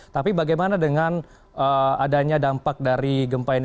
tapi bagaimana dengan adanya dampak dari gempa ini